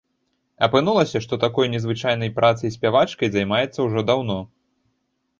Апынулася, што такой незвычайнай працай спявачкай займаецца ўжо даўно.